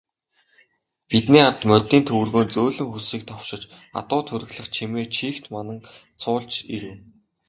Бидний ард морьдын төвөргөөн зөөлөн хөрсийг товшиж, адуу тургилах чимээ чийгт мананг цуулж ирэв.